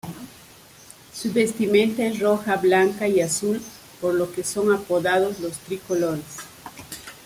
Su vestimenta es roja, blanca y azul, por lo que son apodados los "tricolores".